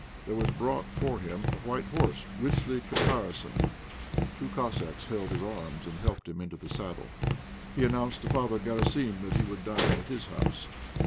There was brought for him a white horse, richly caparisoned. Two Cossacks held his arms and helped him into the saddle. He announced to Father Garasim that he would dine at his house.